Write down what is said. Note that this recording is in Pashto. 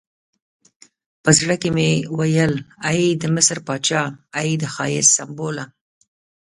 په زړه کې مې ویل ای د مصر پاچا، ای د ښایست سمبوله.